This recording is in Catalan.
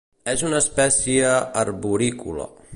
És una espècie arborícola.